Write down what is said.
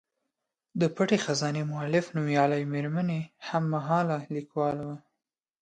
د پټې خزانې مولف د نومیالۍ میرمنې هم مهاله لیکوال و.